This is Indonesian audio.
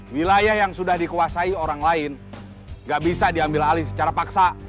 wilayah yang sudah dikuasai orang lain nggak bisa diambil alih secara paksa